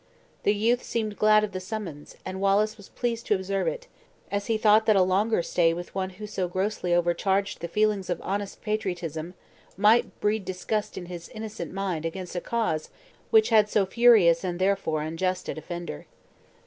The youth seemed glad of the summons, and Wallace was pleased to observe it, as he thought that a longer stay with one who so grossly overcharged the feelings of honest patriotism, might breed disgust in his innocent mind against a cause which had so furious and therefore unjust a defender.